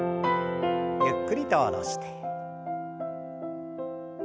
ゆっくりと下ろして。